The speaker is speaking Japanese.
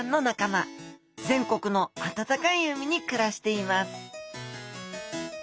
全国の温かい海に暮らしています